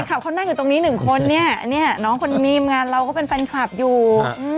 ขับเขานั่งอยู่ตรงนี้หนึ่งคนเนี่ยน้องคนมีมงานเราก็เป็นแฟนคลับอยู่